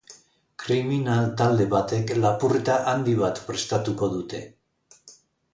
Kriminal talde batek lapurreta handi bat prestatuko dute.